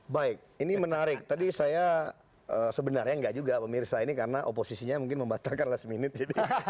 baik ini menarik tadi saya sebenarnya enggak juga pemirsa ini karena oposisinya mungkin membatalkan last minute